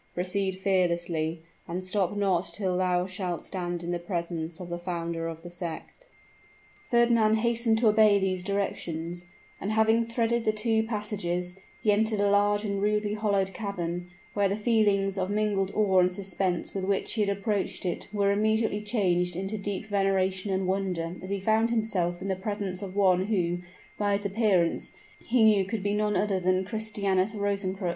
Proceed fearlessly, and stop not till thou shalt stand in the presence of the founder of the sect." Fernand hastened to obey these directions, and having threaded the two passages, he entered a large and rudely hollowed cavern, where the feelings of mingled awe and suspense with which he had approached it were immediately changed into deep veneration and wonder as he found himself in the presence of one who, by his appearance, he knew could he none other than Christianus Rosencrux!